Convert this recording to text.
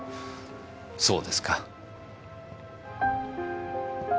そうですか。